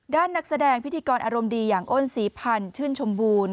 นักแสดงพิธีกรอารมณ์ดีอย่างอ้นศรีพันธ์ชื่นชมบูรณ